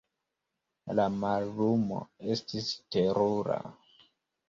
La mallumo estis terura.